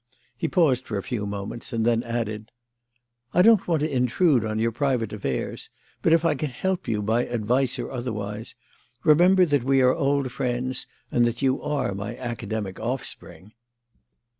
He paused for a few moments, and then added: "I don't want to intrude on your private affairs, but if I can help you by advice or otherwise, remember that we are old friends and that you are my academic offspring."